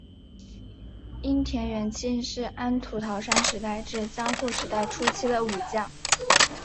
樱田元亲是安土桃山时代至江户时代初期的武将。